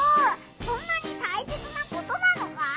そんなにたいせつなことなのか？